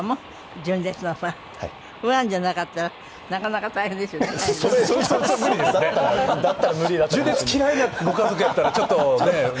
純烈嫌いやってご家族やったらちょっとね難しいですよね。